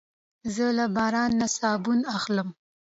زه له بازار نه صابون اخلم.